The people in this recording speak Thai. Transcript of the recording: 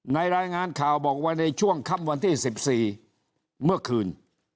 รายงานข่าวบอกว่าในช่วงค่ำวันที่๑๔เมื่อคืน